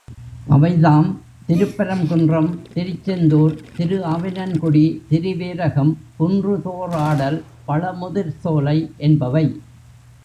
அவைதாம் திருப்பரங்குன்றம், திருச்செந்தூர், திருஆவினன்குடி, திருவேரகம், குன்றுதோறாடல், பழமுதிர்சோலை என்பவை.